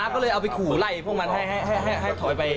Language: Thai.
ก็เลยเอาไปขู่ไล่พวกมันให้ถอยไป